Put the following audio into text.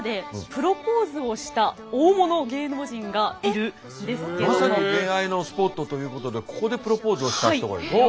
なんとまさに恋愛のスポットということでここでプロポーズをした人がいる。